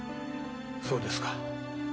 そうですか。